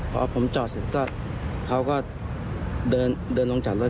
พอผมจอดเสร็จก็เขาก็เดินลงจากรถ